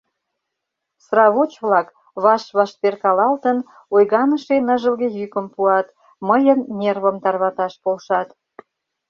Сравоч-влак, ваш-ваш перкалалтын, ойганыше ныжылге йӱкым пуат, мыйын нервым тарваташ полшат.